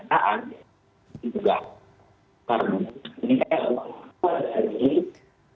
ya waktu itu ada lagi